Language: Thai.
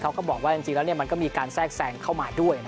ก็บอกว่าจริงแล้วมันก็มีการแทรกแซงเข้ามาด้วย